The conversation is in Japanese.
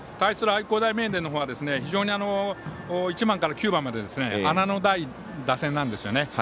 愛工大名電の方は非常に１番から９番まで穴のない打線なんですよね。